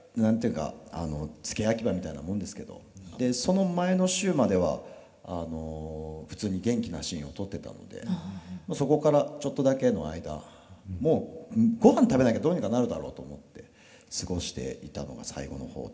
その前の週までは普通に元気なシーンを撮ってたのでそこからちょっとだけの間もうごはん食べなきゃどうにかなるだろうと思って過ごしていたのが最後の方で。